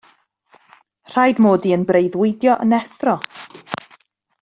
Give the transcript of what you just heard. Rhaid mod i yn breuddwydio yn effro.